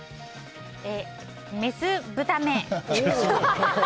「メス豚め！